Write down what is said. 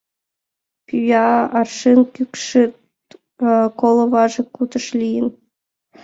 Пӱя аршын кӱкшыт, коло важык кутыш лийын.